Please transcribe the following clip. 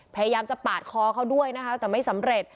พยายามจะปาดคอเขาด้วยนะคะแต่ไม่สำเร็จ